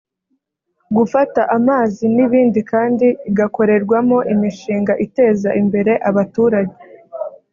gufata amazi n’ibindi kandi igakorerwamo imishinga iteza imbere abaturage